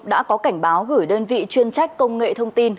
đã có cảnh báo gửi đơn vị chuyên trách công nghệ thông tin